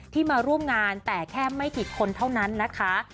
มาร่วมงานแต่แค่ไม่กี่คนเท่านั้นนะคะ